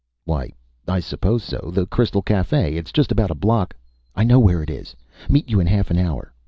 "Why, I suppose so. The Crystal Cafe. It's just about a block " "I know where it is. Meet you in half an hour!"